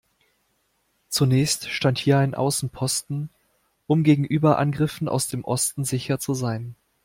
Zunächst stand hier ein Außenposten, um gegenüber Angriffen aus dem Osten sicher zu sein.